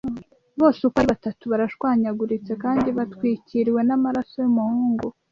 Bose uko ari batatu barashwanyaguritse kandi batwikiriwe n'amaraso y'umuhungu.